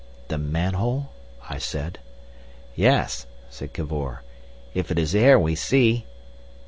"The manhole?" I said. "Yes!" said Cavor, "if it is air we see!"